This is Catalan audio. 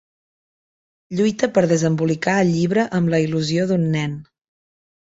Lluita per desembolicar el llibre amb la il·lusió d'un nen.